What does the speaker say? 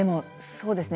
そうですね